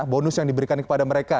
bonus yang diberikan kepada mereka